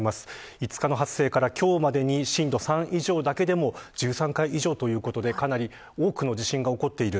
５日の発生から今日までに震度３以上だけでも１３回以上ということでかなり多くの地震が起こっている。